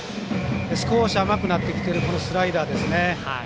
少し甘くなってきてるスライダーですよね。